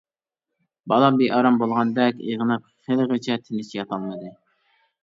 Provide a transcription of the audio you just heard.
بالا بىئارام بولغاندەك ئېغىناپ خېلىغىچە تىنچ ياتالمىدى.